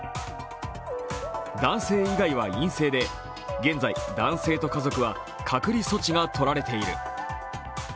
男性以外は陰性で現在、男性と家族は隔離措置が取られている。